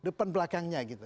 depan belakangnya gitu